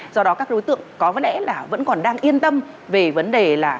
do đó các đối tượng có vấn đẽ là vẫn còn đang yên tâm về vấn đề là